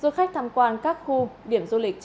du khách tham quan các khu điểm du lịch